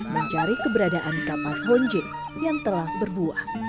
mencari keberadaan kapas honje yang telah berbuah